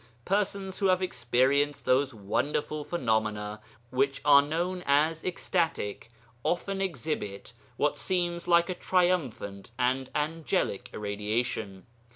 Persons who have experienced those wonderful phenomena which are known as ecstatic, often exhibit what seems like a triumphant and angelic irradiation.